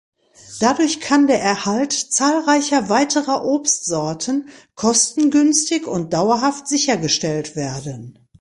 Dadurch kann der Erhalt zahlreicher weiterer Obstsorten kostengünstig und dauerhaft sichergestellt werden.